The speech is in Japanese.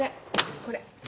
これ。